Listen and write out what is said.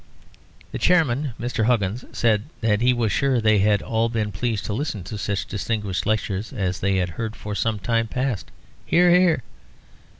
The chairman (Mr. Huggins) said that he was sure that they had all been pleased to listen to such distinguished lecturers as they had heard for some time past (hear, hear).